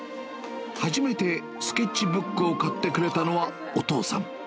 初めてスケッチブックを買ってくれたのはお父さん。